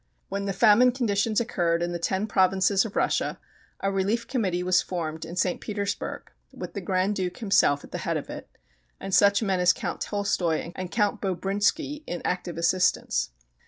When the famine conditions occurred in the ten provinces of Russia a relief committee was formed in St. Petersburg, with the Grand Duke himself at the head of it, and such men as Count Tolstoi and Count Bobrinsky in active assistance.